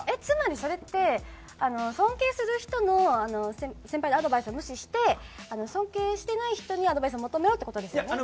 つまりそれって尊敬する人の先輩のアドバイスを無視して尊敬してない人にアドバイスを求めろって事ですよね？